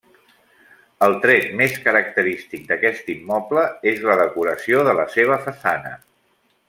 El tret més característic d'aquest immoble és la decoració de la seva façana.